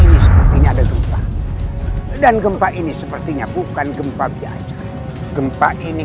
ini sepertinya ada gempa dan gempa ini sepertinya bukan gempa biasa gempa ini